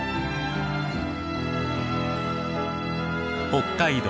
北海道